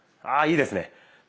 あいいですね！